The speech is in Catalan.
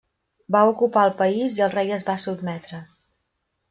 Va ocupar el país i el rei es va sotmetre.